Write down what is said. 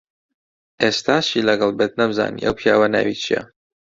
ئێستاشی لەگەڵ بێت نەمزانی ئەو پیاوە ناوی چییە.